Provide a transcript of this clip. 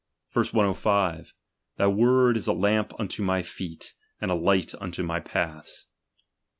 Verse 105: Thy word is a lamp unto my feet, and a light unto my paths.